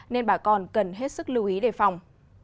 nên bà con cần hết sức lưu ý đề phòng